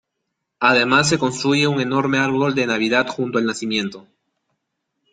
Además se construye un enorme árbol de navidad junto al nacimiento.